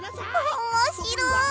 おもしろい！